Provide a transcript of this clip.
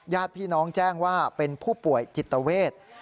ญาติพี่น้องแจ้งว่าเป็นผู้ป่วยจิตเวท